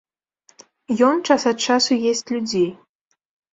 Ён час ад часу есць людзей.